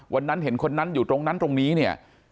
วันนั้นเห็นคนนั้นอยู่ตรงนั้นตรงนี้เนี่ย